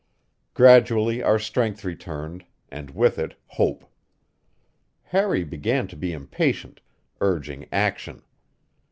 Gradually our strength returned, and with it hope. Harry began to be impatient, urging action.